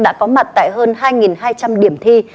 đã có mặt tại hơn hai hai trăm linh điểm thi